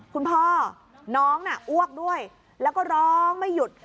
คุณพ่อน้องน่ะอ้วกด้วยแล้วก็ร้องไม่หยุด